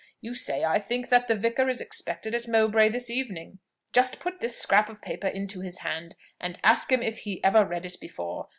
You say, I think, that the vicar is expected at Mowbray this evening: just put this scrap of paper into his hand, and ask him if he ever read it before.